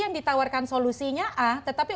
yang ditawarkan solusinya a tetapi